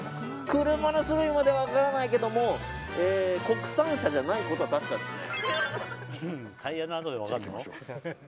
車の種類までは分からないけども国産車じゃないことは確かですね。